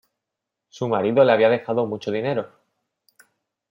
Su marido le había dejado mucho dinero.